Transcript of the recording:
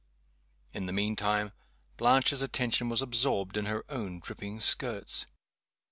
In the mean time Blanche's attention was absorbed in her own dripping skirts.